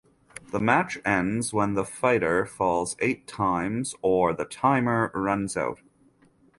The match ends when the fighter falls eight times or the timer runs out.